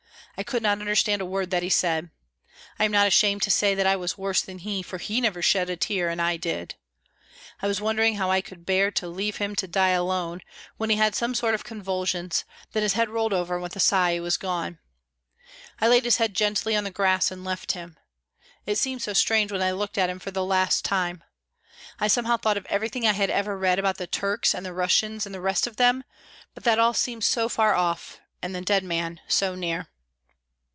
I could not understand a word that he said. I am not ashamed to say that I was worse than he, for he never shed a tear and I did. I was wondering how I could bear to leave him to die alone, when he had some sort of convulsions, then his head rolled over and with a sigh he was gone. I laid his head gently on the grass and left him. It seemed so strange when I looked at him for the last time. I somehow thought of everything I had ever read about the Turks and the Russians, and the rest of them, but all that seemed so far off, and the dead man so near."